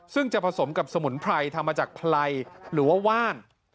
ซึ่งจะผสมกับสมุนไพรทำมาจากไพรหรือว่าว่าน